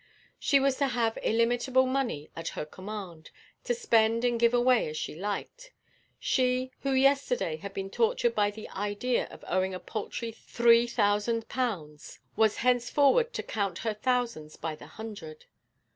She was to have illimitable money at her command, to spend and give away as she liked. She, who yesterday had been tortured by the idea of owing a paltry three thousand pounds, was henceforward to count her thousands by the hundred.